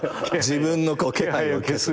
自分の気配を消す。